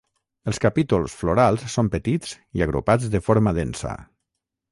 Els capítols florals són petits i agrupats de forma densa.